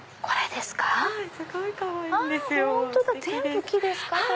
これですか！